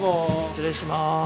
失礼します。